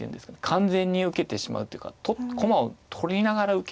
完全に受けてしまうっていうか駒を取りながら受けるというのがね